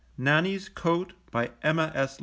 NANNIE^S COAT. BY EMMA B.